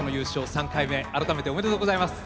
３回目改めておめでとうございます！